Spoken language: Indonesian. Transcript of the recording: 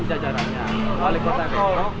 jajarannya oleh come on